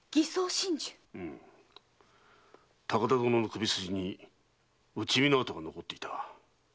⁉うむ高田殿の首筋に打ち身の跡が残っていた。